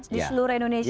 di seluruh indonesia